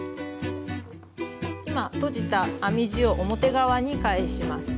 今とじた編み地を表側に返します。